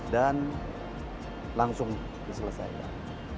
dan langsung diselesaikan